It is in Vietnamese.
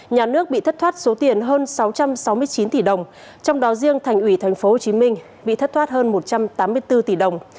nhà nước bị thất thoát số tiền hơn sáu trăm sáu mươi chín tỷ đồng trong đó riêng thành ủy tp hcm bị thất thoát hơn một trăm tám mươi bốn tỷ đồng